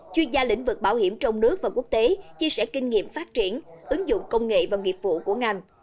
chuyên gia lĩnh vực bảo hiểm trong nước và quốc tế chia sẻ kinh nghiệm phát triển ứng dụng công nghệ và nghiệp vụ của ngành